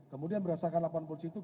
kemudian berdasarkan laporan polisi itu